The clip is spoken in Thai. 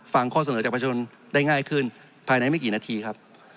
ฟังข้อเสนอจากประชนได้ง่ายขึ้นภายในไม่กี่นาทีครับ